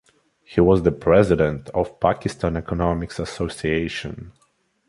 He was the President of Pakistan Economics Association.